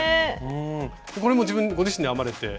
これもご自身で編まれて？